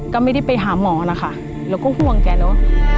ก็ไม่ได้ไปหาหมอนะคะแล้วก็ห่วงแกเนอะ